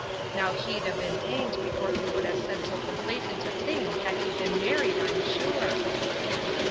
'Now he'd ha' been hanged before he would have said so complaisant a thing, had he been married, I'm sure!